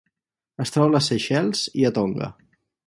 Es troba a les Seychelles i a Tonga.